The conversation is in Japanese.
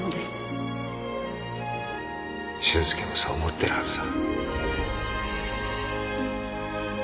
俊介もそう思っているはずさ。